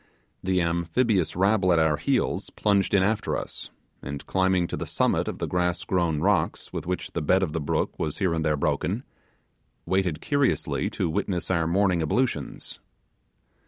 The amphibious rabble at our heels plunged in after us, and climbing to the summit of the grass grown rocks with which the bed of the brook was here and there broken, waited curiously to witness our morning ablutions.